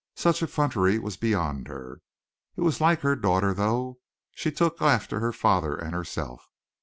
Such effrontery was beyond her. It was like her daughter, though. She took after her father and herself.